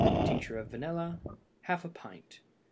Tincture of vanilla ½ pint.